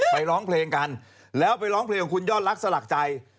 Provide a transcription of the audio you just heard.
ร้องเพลงกันแล้วไปร้องเพลงของคุณยอดรักสลักใจ